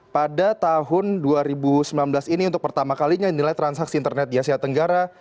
pada tahun dua ribu sembilan belas ini untuk pertama kalinya nilai transaksi internet di asia tenggara